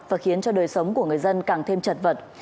và khiến cho đời sống của người dân càng thêm chật vật